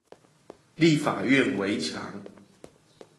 立法院圍牆